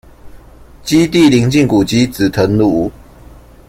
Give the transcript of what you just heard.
基地鄰近古蹟「紫藤廬」